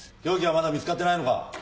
凶器はまだ見つかってないのか？